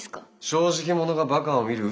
正直者がバカを見る。